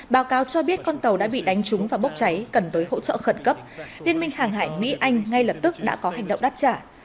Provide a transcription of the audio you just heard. báo cáo cho biết con tàu đã bị đánh trúng và bốc cháy cần tới hỗ trợ khẩn cấp liên minh hàng hải mỹ anh ngay lập tức đã có hành động đáp trả